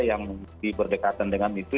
yang diberdekatan dengan itu